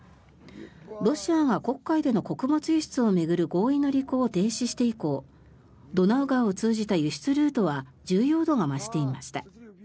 ロシアが黒海での穀物輸出を巡る合意を停止して以降ドナウ川を通じた輸出ルートは重要度が増していました。